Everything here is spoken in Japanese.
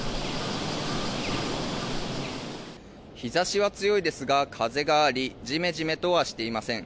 日差しは強いですが風がありじめじめとはしていません。